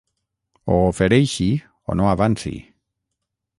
Ho ofereixi o no avanci.